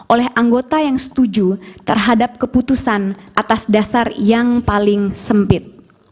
oleh anggota yang setuju terhadap keputusan atas dasar yang paling sempit